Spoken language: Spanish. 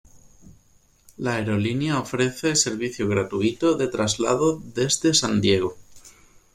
La aerolínea ofrece servicio gratuito de traslado desde San Diego.